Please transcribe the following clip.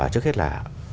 trước hết là